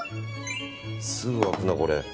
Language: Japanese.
すぐ沸くな、これ。